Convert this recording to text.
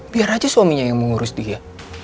biar aja suaminya yang mengurus dia